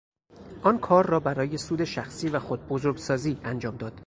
آن کار را برای سود شخصی و خود بزرگسازی انجام داد.